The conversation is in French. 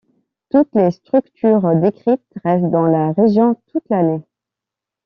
Toutes les structures décrites restent dans la région toute l'année.